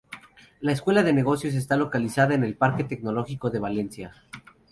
La Escuela de Negocios está localizada en el Parque Tecnológico de Valencia.